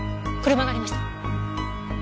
車がありました。